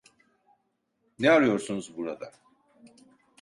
Ne arıyorsunuz burada?